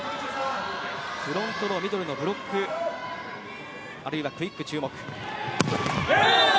フロントのミドルのブロックあるいはクイックに注目。